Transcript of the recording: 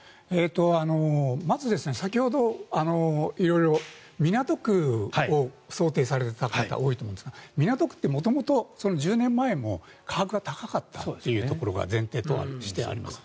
まず、先ほど色々、港区を想定されていた方が多いと思うんですが港区って元々１０年前も価格が高かったというのが前提としてあります。